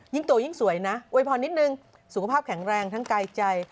ยิ่งโตยิ่งสวยนะโวยพรนิดนึงสุขภาพแข็งแรงทั้งกายใจ